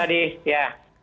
selamat malam mas adi ya